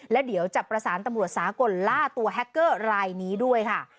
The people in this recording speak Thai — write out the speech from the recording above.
และเดี๋ยวจะประสานตำรวจสากลล่าตัวแฮคเกอร์รายนี้ด้วยค่ะ